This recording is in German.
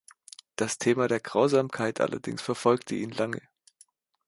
Das Thema der Grausamkeit allerdings verfolgte ihn lange.